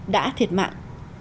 đã thiệt mạng